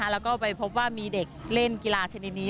แล้วก็ไปพบว่ามีเด็กเล่นกีฬาชนิดนี้